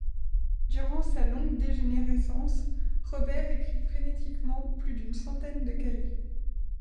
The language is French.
Durant sa longue dégénérescence, Robert écrit frénétiquement plus d'une centaine de cahiers.